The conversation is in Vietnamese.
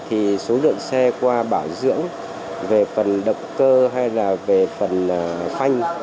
thì số lượng xe qua bảo dưỡng về phần độc cơ hay là về phần phanh